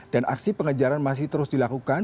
dan aksi pengejaran masih terus dilakukan